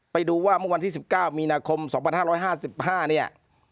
ไปดูว่าเมื่อวันที่๑๙มีนาคม๒๕๕๕เนี่ย